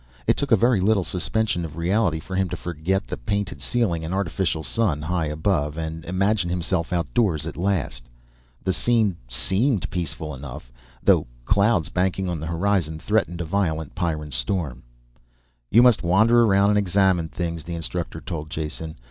It took very little suspension of reality for him to forget the painted ceiling and artificial sun high above and imagine himself outdoors at last. The scene seemed peaceful enough. Though clouds banking on the horizon threatened a violent Pyrran storm. "You must wander around and examine things," the instructor told Jason.